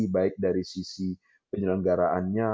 baik dari sisi penyelenggaraannya